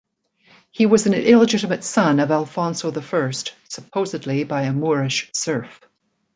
He was an illegitimate son of Alfonso the First, supposedly by a Moorish serf.